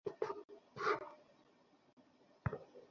আমি তার সাথে দেখা করতে যাচ্ছি!